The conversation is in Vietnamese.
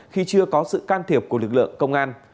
khi chưa có sự can thiệp của lực lượng công an